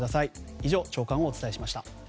以上、朝刊をお伝えしました。